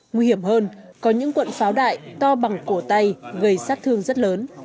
nguy hiểm hơn có những cuộn pháo đại to bằng cổ tay gây sát thương rất lớn